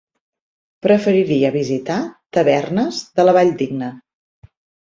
Preferiria visitar Tavernes de la Valldigna.